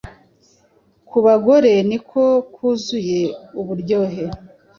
ku bagore ni ko kuzuye uburyohe